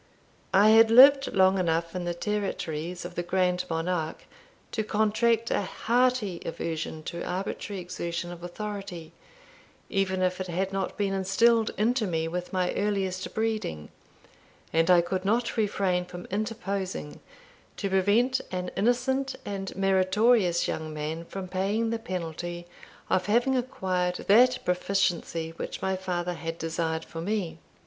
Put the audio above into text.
I had lived long enough in the territories of the Grand Monarque to contract a hearty aversion to arbitrary exertion of authority, even if it had not been instilled into me with my earliest breeding; and I could not refrain from interposing, to prevent an innocent and meritorious young man from paying the penalty of having acquired that proficiency which my father had desired for me.